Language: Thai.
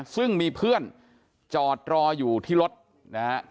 ซึ่งมีเพื่อนจอดรออยู่ที่รถนะฮะ